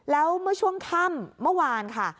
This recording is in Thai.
แล้วเมื่อช่วงค่ำเมื่อวานค่ะ